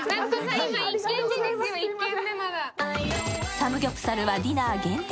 サムギョプサルはディナー限定。